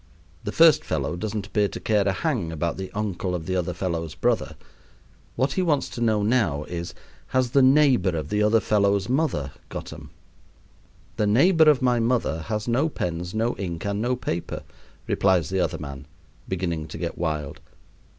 The first fellow doesn't appear to care a hang about the uncle of the other fellow's brother; what he wants to know now is, has the neighbor of the other fellow's mother got 'em? "The neighbor of my mother has no pens, no ink, and no paper," replies the other man, beginning to get wild.